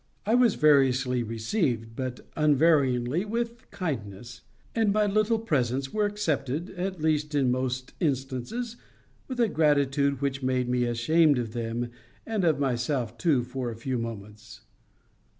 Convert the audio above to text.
I was variously received, but unvaryingly with kindness; and my little presents were accepted, at least in most instances, with a gratitude which made me ashamed of them and of myself too for a few moments.